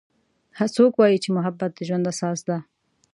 څوک وایي چې محبت د ژوند اساس ده